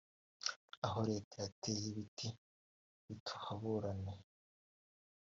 Aho leta yateye ibiti ntituhaburane